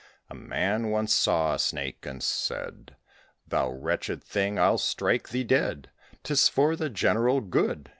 A Man once saw a Snake, and said, "Thou wretched thing, I'll strike thee dead 'Tis for the general good!"